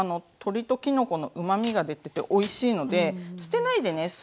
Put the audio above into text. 鶏ときのこのうまみが出てておいしいので捨てないでね